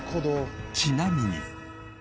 ちなみに。